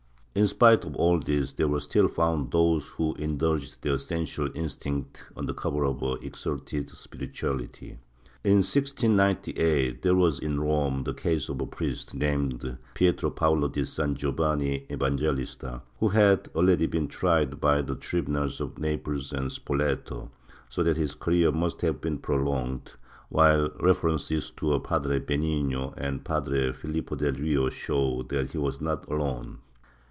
In spite of all this, there were still found those who indulged their sensual instincts under cover of exalted spirituality. In 1698 there was in Rome the case of a priest, named Pietro Paolo di San Giov. Evangelista, vv'ho had already been tried by the tri bunals of Naples and Spoleto, so that his career must have been prolonged, while references to a Padre Benigno and a Padre Filippo del Rio show that he was not alone.